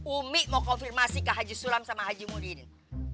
umi mau konfirmasi ke haji sulam sama haji muhdiin